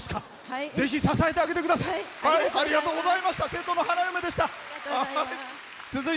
ぜひ支えてあげてください。